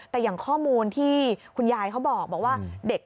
แต่อย่างข้อมูลที่คุณยายเขาบอกว่าเด็ก